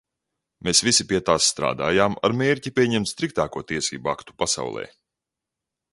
Mēs visi pie tās strādājām ar mērķi pieņemt striktāko tiesību aktu pasaulē.